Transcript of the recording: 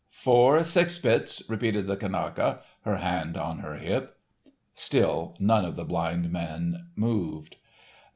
"Four, six bits," repeated the Kanaka, her hand on her hip. Still none of the blind men moved.